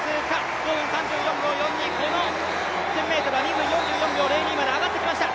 この１０００ｍは２分４４秒０２まで上がってきました。